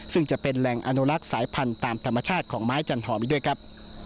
ซึ่งจะเป็นแหล่งอนุลักษ์สายพันธุ์ตามธรรมชาติของไม้จันหอมอีกด้วยครับ